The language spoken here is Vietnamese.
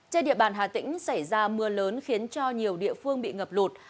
trên địa bàn hà tĩnh xảy ra mưa lớn khiến cho nhiều địa phương bị ngập lụt